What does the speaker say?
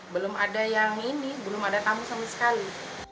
belum ada yang ini belum ada tamu sama sekali